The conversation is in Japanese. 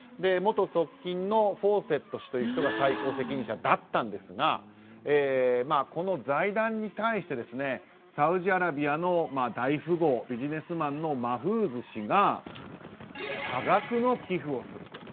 元側近のフォーセット氏という方が最高責任者だったんですがこの財団に対してサウジアラビアの大富豪ビジネスマンのマフーズ氏が多額の寄付をする。